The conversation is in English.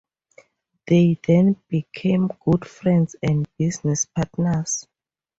They then became good friends and business partners.